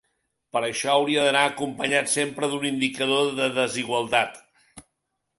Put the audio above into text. Per això hauria d’anar acompanyat sempre d’un indicador de desigualtat.